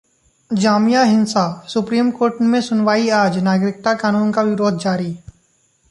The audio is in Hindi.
जामिया हिंसा: सुप्रीम कोर्ट में सुनवाई आज, नागरिकता कानून का विरोध जारी